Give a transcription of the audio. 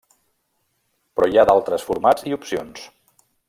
Però hi ha d'altres formats i opcions.